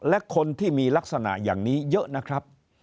และคนที่มีลักษณะอย่างนี้เยอะนะครับ